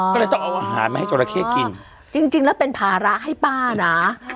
ก็เลยต้องเอาอาหารมาให้จราเข้กินจริงจริงแล้วเป็นภาระให้ป้านะ